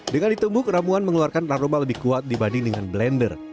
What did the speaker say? dengan ditumbuk ramuan mengeluarkan aroma lebih kuat dibanding dengan blender